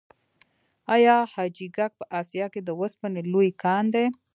آیا حاجي ګک په اسیا کې د وسپنې لوی کان دی؟